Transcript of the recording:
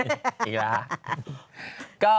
อีกแล้วค่ะ